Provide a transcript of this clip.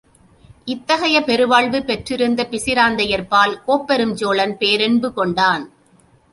இத்தகைய பெருவாழ்வு பெற்றிருந்த பிசிராந்தையார்பால், கோப்பெருஞ் சோழன் பேரன்பு கொண்டான்.